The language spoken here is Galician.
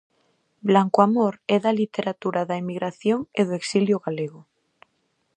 Blanco Amor e da literatura da emigración e do exilio galego.